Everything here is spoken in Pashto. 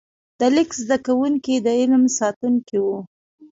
د لیک زده کوونکي د علم ساتونکي وو.